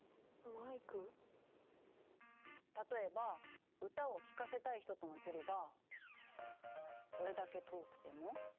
例えば歌を聞かせたい人との距離がこれだけ遠くても。